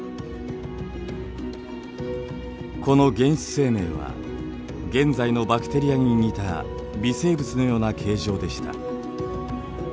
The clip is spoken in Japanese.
この原始生命は現在のバクテリアに似た微生物のような形状でした。